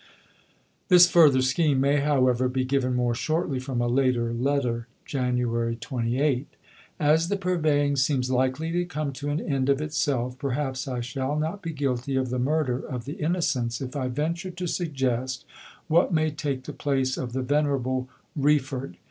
This further scheme may, however, be given more shortly from a later letter (Jan. 28): As the Purveying seems likely to come to an end of itself, perhaps I shall not be guilty of the murder of the Innocents if I venture to suggest what may take the place of the venerable Wreford.